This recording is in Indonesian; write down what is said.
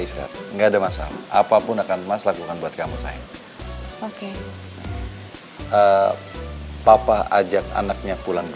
israt nggak ada masalah apapun akan mas lakukan buat kamu sayang oke eh papa ajak anaknya pulang